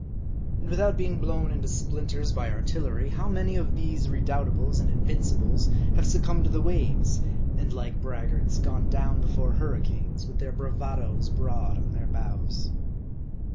^ And without being blown into splinters by artillery, how many of these Redoubtables and Invincibles have succumb ed to the waves, and like braggarts gone down before hurri canes, with their bravadoes broad on their bows.